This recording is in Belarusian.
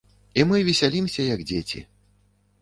І мы весялімся, як дзеці.